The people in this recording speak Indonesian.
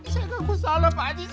saya kagak salah pak aji